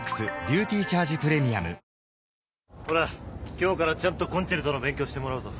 今日からちゃんとコンチェルトの勉強してもらうぞ。